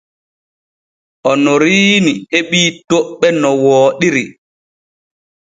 Onoriini heɓii toɓɓe no wooɗiri.